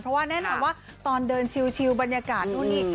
เพราะว่าแน่นอนว่าตอนเดินชิวบรรยากาศนู่นนี่